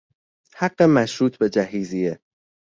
حق مشروط به جهیزیه